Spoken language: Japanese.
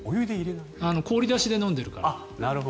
氷出しで飲んでいるから。